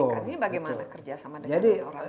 ini bagaimana kerjasama dengan orang orang